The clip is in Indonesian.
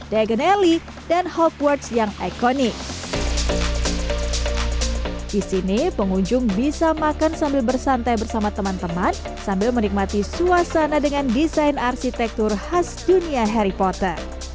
di sini pengunjung bisa makan sambil bersantai bersama teman teman sambil menikmati suasana dengan desain arsitektur khas dunia harry potter